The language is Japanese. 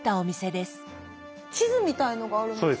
地図みたいのがあるんですけど。